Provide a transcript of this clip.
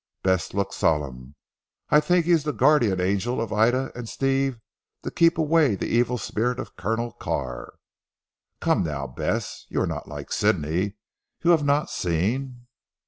Bess looked solemn. "I think he is the guardian angel of Ida and Steve, to keep away the evil spirit of Colonel Carr." "Come now Bess, you are not like Sidney. You have not seen